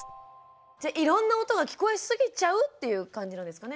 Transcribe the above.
じゃあいろんな音が聞こえすぎちゃうっていう感じなんですかね？